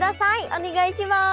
お願いします！